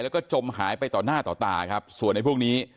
แล้วก็จมหายไปต่อหน้าต่อตาครับส่วนไอ้พวกนี้